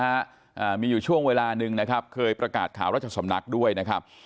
อ่ามีอยู่ช่วงเวลาหนึ่งนะครับเคยประกาศข่าวราชสำนักด้วยนะครับ